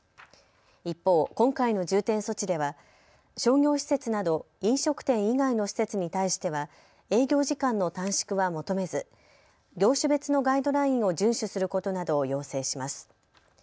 一方、今回の重点措置では商業施設など飲食店以外の施設に対しては営業時間の短縮は求めず業種別のガイドラインを順守することなどを要請します。